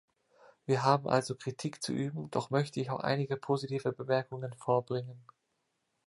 Wir haben also Kritik zu üben, doch möchte ich auch einige positive Bemerkungen vorbringen.